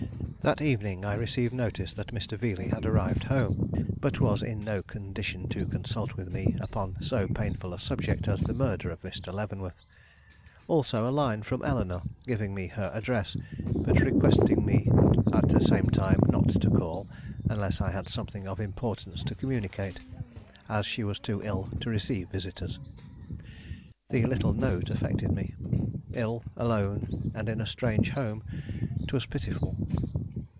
That evening I received notice that Mr. Veeley had arrived home, but was in no condition to consult with me upon so painful a subject as the murder of Mr. Leavenworth. Also a line from Eleanore, giving me her address, but requesting me at the same time not to call unless I had something of importance to communicate, as she was too ill to receive visitors. The little note affected me. Ill, alone, and in a strange home, 'twas pitiful!